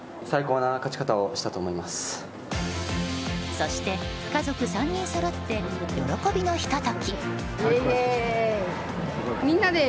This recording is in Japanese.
そして、家族３人そろって喜びのひと時。